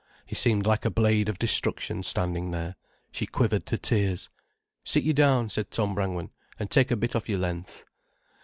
He seemed like a blade of destruction standing there. She quivered to tears. "Sit you down," said Tom Brangwen, "an' take a bit off your length."